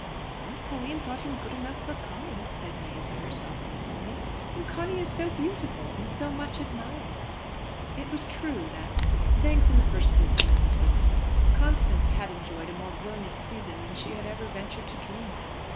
"Aunt Pauline thought him good enough for Conny," said May to herself innocently; "and Conny is so beautiful, and so much admired!" It was true that thanks, in the first place, to Mrs. Griffin Constance had enjoyed a more brilliant season than she had ever ventured to dream of.